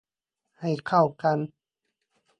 ให้เข้ากัน